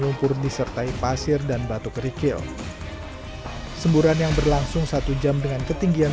lumpur disertai pasir dan batu kerikil semburan yang berlangsung satu jam dengan ketinggian